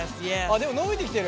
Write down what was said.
でも伸びてきてる？